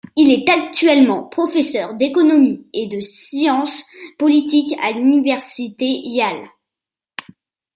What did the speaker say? Il est actuellement professeur d'économie et de sciences politiques à l'université Yale.